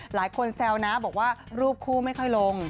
แซวนะบอกว่ารูปคู่ไม่ค่อยลง